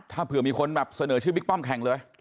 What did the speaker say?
ถ้าเผื่อมีคนแบบเสนอชื่อบิ๊กป้อมแข่งเลย